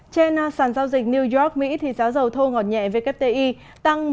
trên sàn giao dịch new york mỹ giá dầu thô ngọt nhẹ vkti tăng một ba